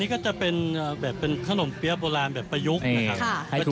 ก็ขนมเปี๊ยะโบราณแบบประยุกต์นะครับ